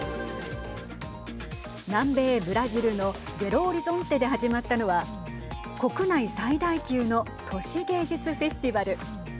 南米ブラジルのベロオリゾンテで始まったのは国内最大級の都市芸術フェスティバル。